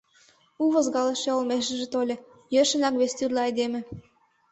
У возгалыше олмешыже тольо, йӧршынак вестӱрлӧ айдеме.